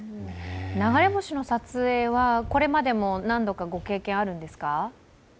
流れ星の撮影はこれまでも何度かご経験あるんですか？